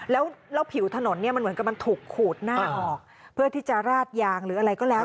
แล้วผิวถนนเนี่ยมันเหมือนกับมันถูกขูดหน้าออกเพื่อที่จะราดยางหรืออะไรก็แล้ว